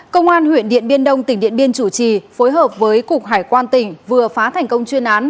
công an huyện điện biên đông tỉnh điện biên chủ trì phối hợp với cục hải quan tỉnh vừa phá thành công chuyên án